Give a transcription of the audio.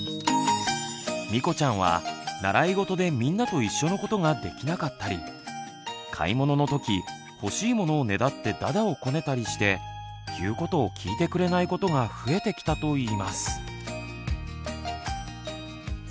みこちゃんは習い事でみんなと一緒のことができなかったり買い物の時欲しいものをねだってだだをこねたりして言うことを聞いてくれないことが増えてきたといいます。